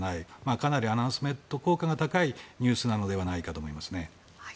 かなりアナウンスメント効果が高いニュースなのではないかと思います。